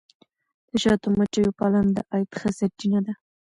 د شاتو مچیو پالنه د عاید ښه سرچینه ده.